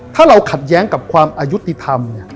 ถ้าเราขัดแย้งกับความอายุติธรรมเนี่ย